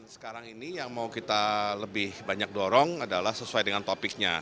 sekarang ini yang mau kita lebih banyak dorong adalah sesuai dengan topiknya